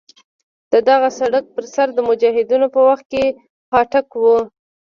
د دغه سړک پر سر د مجاهدینو په وخت کې پاټک وو.